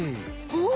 お！